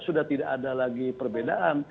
sudah tidak ada lagi perbedaan